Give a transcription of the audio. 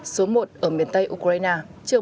số một ở miền tây ukraine